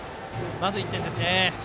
まず１点ですね。